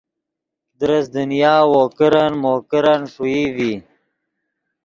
درست دنیا وو کرن مو کرن ݰوئی ڤی